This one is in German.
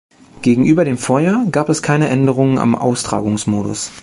Gegenüber dem Vorjahr gab es keine Änderung am Austragungsmodus.